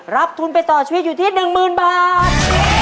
ทุนไปต่อชีวิตอยู่ที่๑๐๐๐บาท